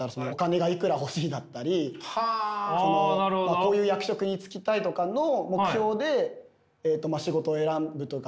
こういう役職に就きたいとかの目標で仕事を選ぶというか。